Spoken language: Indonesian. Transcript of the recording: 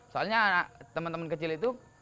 soalnya temen temen kecil itu